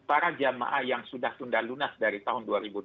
para jamaah yang sudah tunda lunas dari tahun dua ribu dua puluh